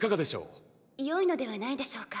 よいのではないでしょうか。